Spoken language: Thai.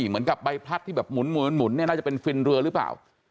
เหมือนกับใบพลัดที่แบบหมุนเนี่ยน่าจะเป็นฟินเรือหรือเปล่า